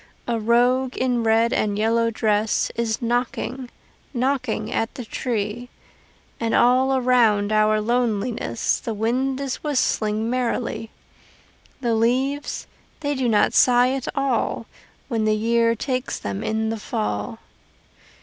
A rogue in red and yellow dress Is knocking, knocking at the tree; And all around our loneliness The wind is whistling merrily. The leaves they do not sigh at all When the year takes them in the fall.